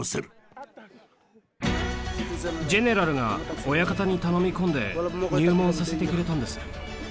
ジェネラルが親方に頼み込んで入門させてくれたんです。